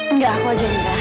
enggak aku ajarin amira